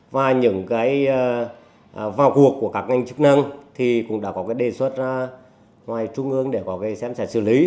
và những cái vào cuộc của các ngành chức năng thì cũng đã có cái đề xuất ra ngoài trung ương để có cái xem xét xử lý